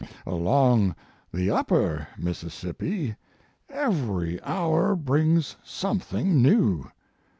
Along the upper Mississippi every hour brings something new.